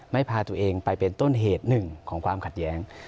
พาตัวเองไปเป็นต้นเหตุหนึ่งของความขัดแย้ง